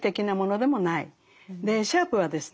でシャープはですね